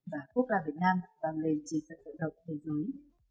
và quốc gia việt nam vàng lên trên trận đội độc thế giới